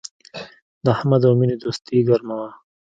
د احمد او مینې دوستي گرمه وه